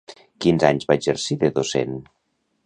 Quins anys va exercir de docent?